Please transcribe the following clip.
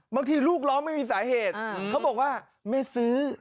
บางทีลูกร้องไม่มีสาเหตุเขาบอกว่าแม่ซื้อ